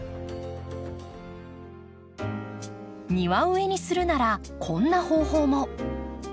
庭植えにするならこんな方法も。